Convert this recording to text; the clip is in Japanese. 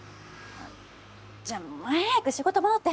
じゃあもう早く仕事戻って！